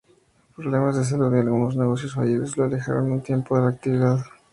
Problemas de salud y algunos negocios fallidos lo alejaron un tiempo de la actividad.